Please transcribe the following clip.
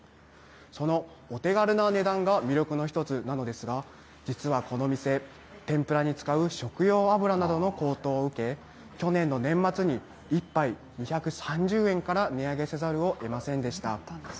そのお手軽な値段が魅力の一つなのですが、実はこの店、天ぷらに使う食用油などの高騰を受け、去年の年末に１杯２３０円から値上げせざるをえませんでした。